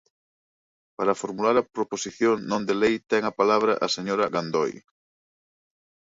Para formular a proposición non de lei ten a palabra a señora Gandoi.